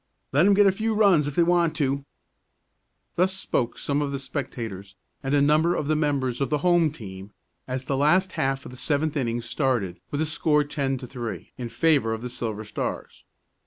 "Let 'em get a few runs if they want to." Thus spoke some of the spectators, and a number of the members of the home team, as the last half of the seventh inning started with the score ten to three in favor of the Silver Stars.